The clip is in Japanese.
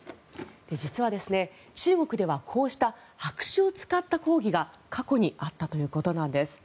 実は、中国ではこうした白紙を使った抗議が過去にあったということなんです。